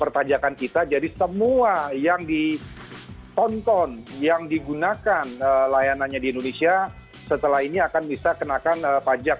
perpajakan kita jadi semua yang ditonton yang digunakan layanannya di indonesia setelah ini akan bisa kenakan pajak